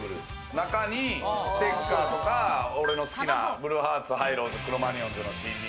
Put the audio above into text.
中にステッカーとか、俺の好きなブルーハーツ、ハイローズ、クロマニヨンズのＣＤ。